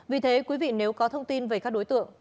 vì thế quý vị nếu có thông tin về các đối tượng